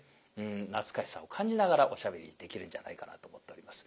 懐かしさを感じながらおしゃべりできるんじゃないかなと思っております。